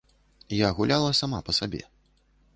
Я гуляла сама па сабе.